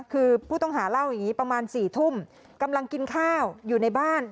คือผู้ต้องหาเล่าอย่างนี้ประมาณ๔ทุ่มกำลังกินข้าวอยู่ในบ้าน